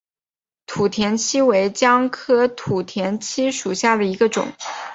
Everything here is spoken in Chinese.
土田七为姜科土田七属下的一个种。